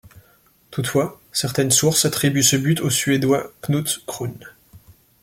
Toutefois, certaines sources attribuent ce but au Suédois Knut Kroon.